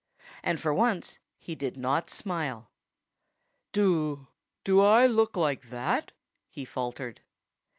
And for once he did not smile. "Do I look like that?" he faltered.